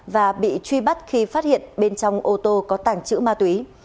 và bị truy bắt khi phát hiện bên trong ô tô có tàng trữ ma túy